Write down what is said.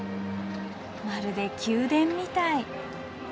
まるで宮殿みたい。